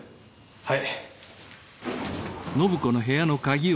はい！